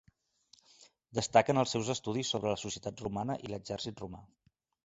Destaquen els seus estudis sobre la societat romana i l'exèrcit romà.